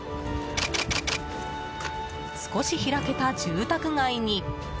少し開けた住宅街に。